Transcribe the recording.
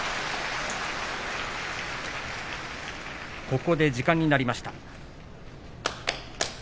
ここで時間になりました。